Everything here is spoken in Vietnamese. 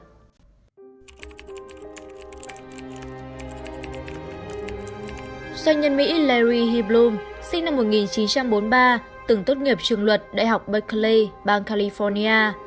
doanh nhân mỹ larry hivlum sinh năm một nghìn chín trăm bốn mươi ba từng tốt nghiệp trường luật đại học becley bang california